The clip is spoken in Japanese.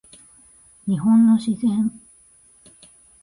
日本の自然